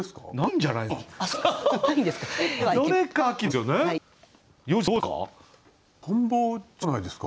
「蜻蛉」じゃないですか？